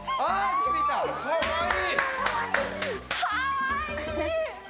かわいい！